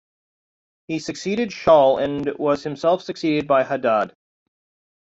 He succeeded Shaul and was himself succeeded by Hadad.